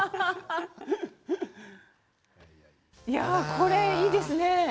これ、いいですね。